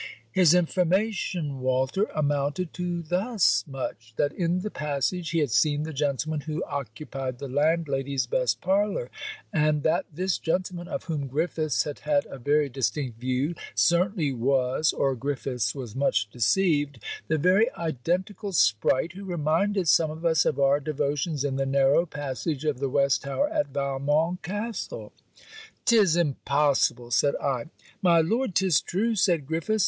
His information, Walter, amounted to thus much that in the passage he had seen the gentleman who occupied the land lady's best parlour; and that this gentleman, of whom Griffiths had had a very distinct view, certainly was, or Griffiths was much deceived, the very identical spright who reminded some of us of our devotions in the narrow passage of the west tower at Valmont castle. ''Tis impossible!' said I. 'My Lord, 'tis true,' said Griffiths.